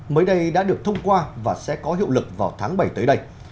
mới đây đã được thông qua và sẽ có hiệu lực vào tháng bảy tới đây